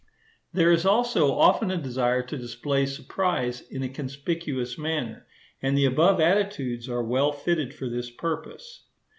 There is, also, often a desire to display surprise in a conspicuous manner, and the above attitudes are well fitted for this purpose.